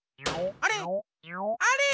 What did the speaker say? あれ？